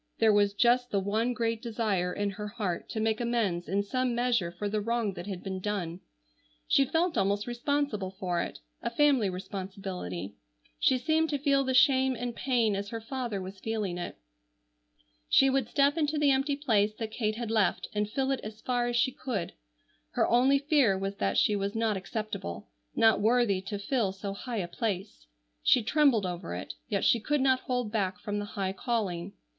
There was just the one great desire in her heart to make amends in some measure for the wrong that had been done. She felt almost responsible for it, a family responsibility. She seemed to feel the shame and pain as her father was feeling it. She would step into the empty place that Kate had left and fill it as far as she could. Her only fear was that she was not acceptable, not worthy to fill so high a place. She trembled over it, yet she could not hold back from the high calling.